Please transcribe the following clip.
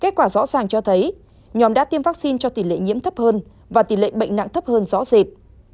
kết quả rõ ràng cho thấy nhóm đã tiêm vaccine cho tỷ lệ nhiễm thấp hơn và tỷ lệ bệnh nặng thấp hơn rõ rệt